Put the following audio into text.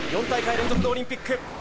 ４大会連続でオリンピック。